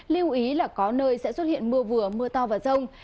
lưu ý là có nơi sẽ xuất hiện mưa vừa mưa to và rông